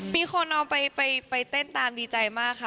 มีคนเอาไปเต้นตามดีใจมากค่ะ